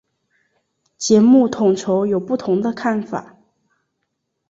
节目统筹有不同的看法。